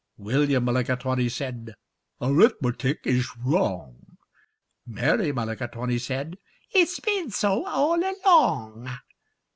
William Mulligatawny said, "Arithmetic is wrong." Mary Mulligatawny said, "It's been so all along."